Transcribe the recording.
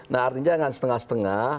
nah artinya jangan setengah setengah